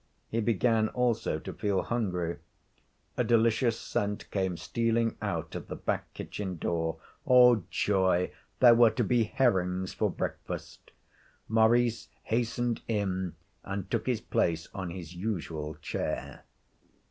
He began also to feel hungry. A delicious scent came stealing out of the back kitchen door. Oh, joy, there were to be herrings for breakfast! Maurice hastened in and took his place on his usual chair.